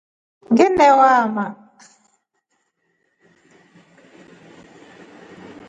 Ngine waama.